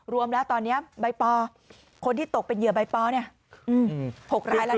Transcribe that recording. รวมแล้วตอนนี้ใบปอคนที่ตกเป็นเหยื่อใบปอ